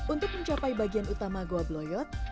untuk mencapai bagian utama goa bloyot